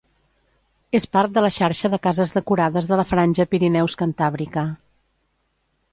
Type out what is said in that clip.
És part de la xarxa de cases decorades de la franja Pirineus-cantàbrica.